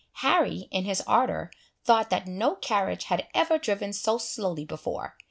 Harry, in his ardour, thought that no carriage had ever driven so slowly before.